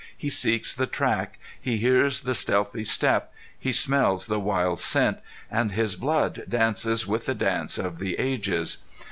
He sees the track, he hears the stealthy step, he smells the wild scent; and his blood dances with the dance of the ages.